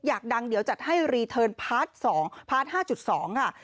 อยากดังเดี๋ยวจัดให้รีเทิร์นพาร์ท๒พาร์ท๕๒ค่ะ